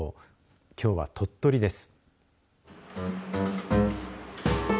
きょうは鳥取です。